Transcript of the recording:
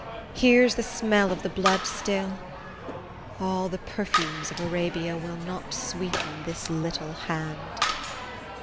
Here's the smell of the blood still; All the perfumes of Arabia Will not sweeten this little hand!"